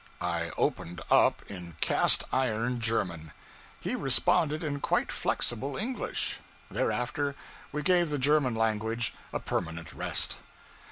I opened up in cast iron German; he responded in quite flexible English; thereafter we gave the German language a permanent rest.